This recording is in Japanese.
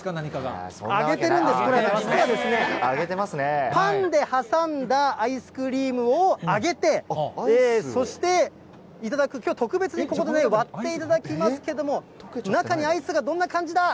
揚げてるんです、実は、パンで挟んだアイスクリームを揚げて、そして頂く、きょう特別にここで割っていただきますけれども、中にアイスがどんな感じだ？